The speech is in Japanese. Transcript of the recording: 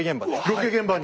ロケ現場に。